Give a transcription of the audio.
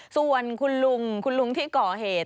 ส่วนคุณลุงคุณลุงที่ก่อเหตุ